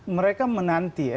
mereka menanti ya